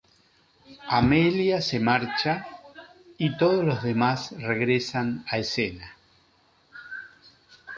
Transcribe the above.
Amelia se marcha y todos los demás regresan a escena.